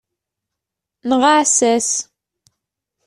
Neɣ aɛessas.